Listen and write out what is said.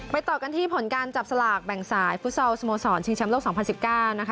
ต่อกันที่ผลการจับสลากแบ่งสายฟุตซอลสโมสรชิงแชมป์โลก๒๐๑๙นะคะ